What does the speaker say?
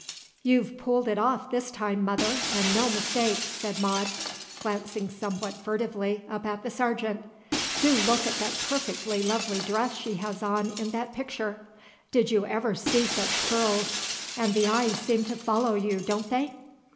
"You've pulled it off this time, mother, and no mistake," said Maude, glancing somewhat furtively up at the Sargent. "Do look at that perfectly lovely dress she has on in that picture. Did you ever see such pearls; and the eyes seem to follow you, don't they?"